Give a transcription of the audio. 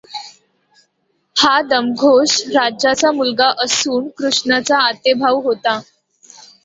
हा दमघोष राजाचा मुलगा असून कृष्णाचा आतेभाऊ होता.